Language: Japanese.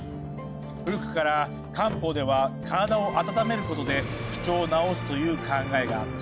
古くから漢方では体を温めることで不調を治すという考えがあった。